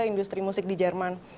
industri musik di jerman